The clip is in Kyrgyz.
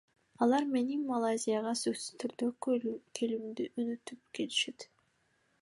Алар мени Малайзияга сөзсүз түрдө келүүмдү өтүнүп кетишти.